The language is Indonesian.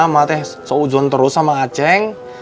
ma ini seuzon terus sama acing